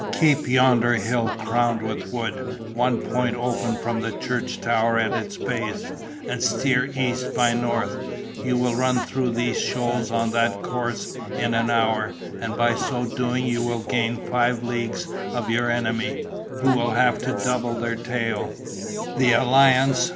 Keep yonder hill crowned with wood, one point open from the church tower at its base, and steer east by north; you will run through these shoals on that course in an hour, and by so doing you will gain five leagues of your enemy, who will have to double their tail."